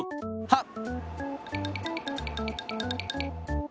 はっ！